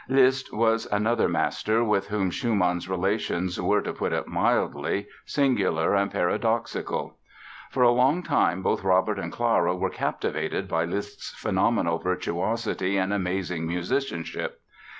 Liszt was another master with whom Schumann's relations were, to put it mildly, singular and paradoxical. For a long time both Robert and Clara were captivated by Liszt's phenomenal virtuosity and amazing musicianship.